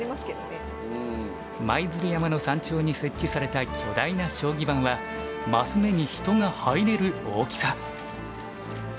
舞鶴山の山頂に設置された巨大な将棋盤は升目に人が入れる大きさ。